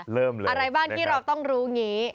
เริ่มเลยอะไรบ้างที่เราต้องรู้งี้